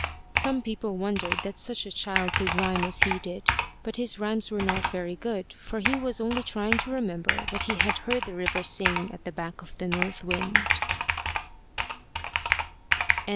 Some people wondered that such a child could rhyme as he did, but his rhymes were not very good, for he was only trying to remember what he had heard the river sing at the back of the north wind.